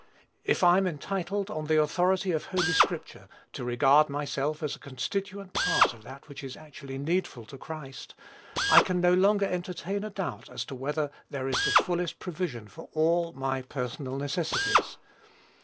If I am entitled, on the authority of Holy Scripture, to regard myself as a constituent part of that which is actually needful to Christ, I can no longer entertain a doubt as to whether there is the fullest provision for all my personal necessities.